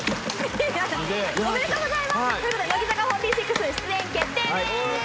おめでとうございますということで乃木坂４６出演決定です。